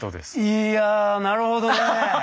いやなるほどね。